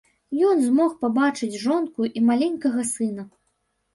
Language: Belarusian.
Ён змог пабачыць жонку і маленькага сына.